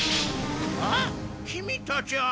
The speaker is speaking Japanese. あっキミたちは！